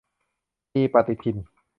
ปีปฏิทิน